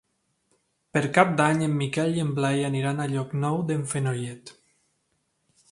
Per Cap d'Any en Miquel i en Blai aniran a Llocnou d'en Fenollet.